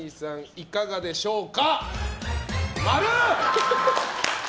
いかがでしょうか。